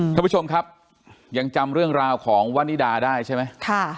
ท่านผู้ชมครับยังจำเรื่องราวของวานิดาได้ใช่ไหม